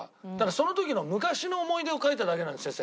その時の昔の思い出を描いただけなんです先生。